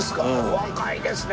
お若いですね。